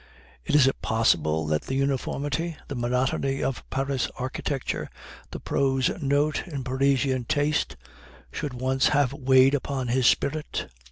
Is it possible that the uniformity, the monotony of Paris architecture, the prose note in Parisian taste, should once have weighed upon his spirit?